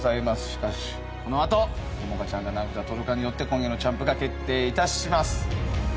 しかしこのあと桃夏ちゃんが何札取るかによって今夜のチャンプが決定いたします。